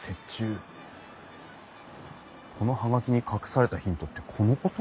この葉書に隠されたヒントってこのこと？